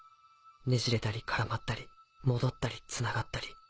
ねじれたり絡まったり戻ったりつながったり。